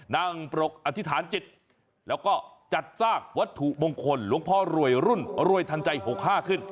นั่งปรกอธิษฐานจิตแล้วก็จัดสร้างวัตถุมงคลหลวงพ่อรวยรุ่นรวยทันใจ๖๕ขึ้น